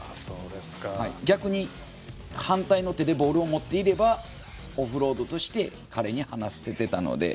逆に反対の手でボールを持っていればオフロードとして彼に放すことができたので。